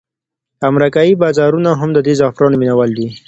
امریکایي بازارونه هم د دې زعفرانو مینوال دي.